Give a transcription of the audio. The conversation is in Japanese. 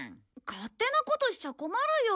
勝手なことしちゃ困るよ！